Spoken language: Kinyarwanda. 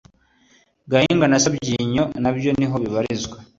Gahinga na Sabyinyo nabyo niho bibarizwa